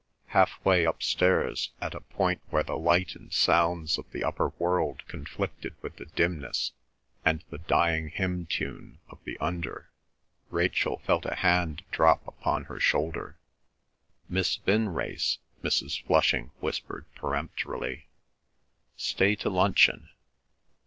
Half way upstairs, at a point where the light and sounds of the upper world conflicted with the dimness and the dying hymn tune of the under, Rachel felt a hand drop upon her shoulder. "Miss Vinrace," Mrs. Flushing whispered peremptorily, "stay to luncheon.